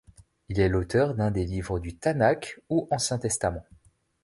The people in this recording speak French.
Il est l'auteur d'un des livres du Tanakh ou Ancien Testament.